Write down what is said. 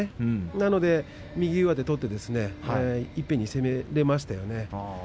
それで右上手を取っていっぺんに攻められましたね。